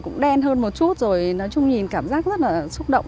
nhìn hơn một chút rồi nói chung nhìn cảm giác rất là xúc động